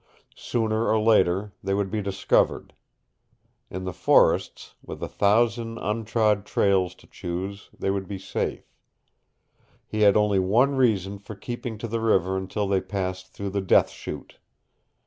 Sooner or later they would be discovered. In the forests, with a thousand untrod trails to choose, they would be safe. He had only one reason for keeping to the river until they passed through the Death Chute.